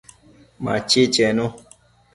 Machi chenu